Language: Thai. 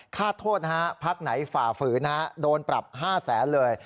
คาดโทษภาพไหนฝ่าฝืนโดนปรับ๕๐๐๐๐๐เลย